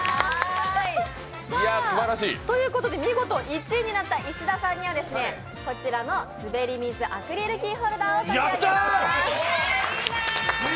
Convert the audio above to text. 見事１位になった石田さんには、こちらのすべり水アクリルキーホルダーを差し上げます。